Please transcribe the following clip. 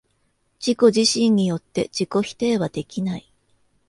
自己自身によって自己否定はできない。